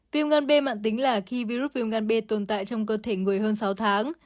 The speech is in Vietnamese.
viêm gan b mạng tính là khi virus viêm gan b tồn tại trong cơ thể người hơn sáu tháng